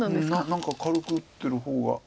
何か軽く打ってる方が。